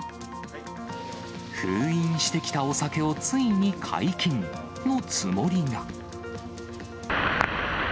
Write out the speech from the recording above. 封印してきたお酒をついに解禁のつもりが。